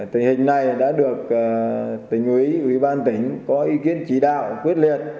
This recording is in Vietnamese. tình hình này đã được tỉnh ủy ủy ban tỉnh có ý kiến chỉ đạo quyết liệt